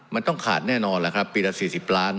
มันต้องขาดแน่นอนล่ะครับปีละ๔๐ล้าน